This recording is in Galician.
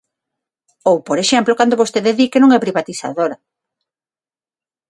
Ou, por exemplo, cando vostede di que non é privatizadora.